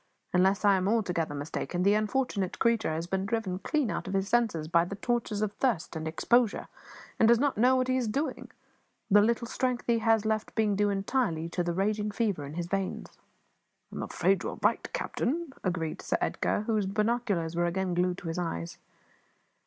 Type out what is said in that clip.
Unless I am altogether mistaken, the unfortunate creature has been driven clean out of his senses by the tortures of thirst and exposure, and does not know what he is doing; the little strength he has left being due entirely to the raging fever in his veins." "I am afraid you are right, captain," agreed Sir Edgar, whose binoculars were again glued to his eyes.